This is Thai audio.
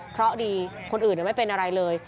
เพราะดีคนอื่นไม่เป็นอะไรเลย